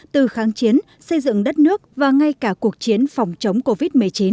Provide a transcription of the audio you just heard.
từ kháng chiến xây dựng đất nước và ngay cả cuộc chiến phòng chống covid một mươi chín